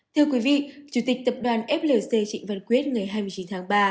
thưa quý vị chủ tịch tập đoàn flc trịnh văn quyết ngày hai mươi chín tháng ba